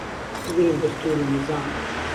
بگرن دهستوور و نیزام